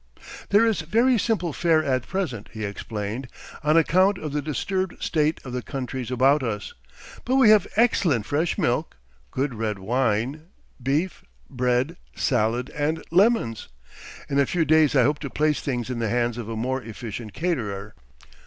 'There is very simple fare at present,' he explained, 'on account of the disturbed state of the countries about us. But we have excellent fresh milk, good red wine, beef, bread, salad, and lemons.... In a few days I hope to place things in the hands of a more efficient caterer....